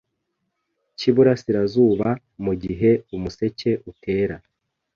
cyiburasirazuba mugihe Umuseke utera